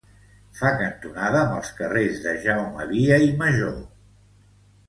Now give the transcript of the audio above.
Fa cantonada amb els carrers de Jaume Via i Major.